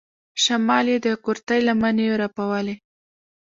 شمال يې د کورتۍ لمنې رپولې.